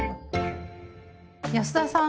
安田さん